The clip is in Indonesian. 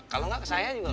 kalau enggak ke saya juga